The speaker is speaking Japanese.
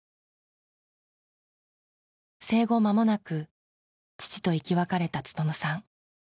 生後まもなく父と生き別れた勉さん。